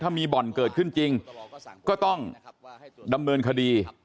ถ้ามีบ่อนเกิดขึ้นจริงก็ต้องดำเนินคดี